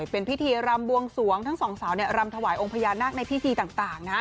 เป็นพิธีรำบวงสวงทั้งสองสาวรำถวายองค์พญานาคในพิธีต่างนะ